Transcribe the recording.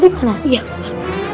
lukman palu tadi mana